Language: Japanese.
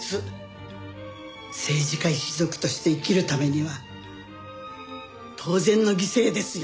政治家一族として生きるためには当然の犠牲ですよ。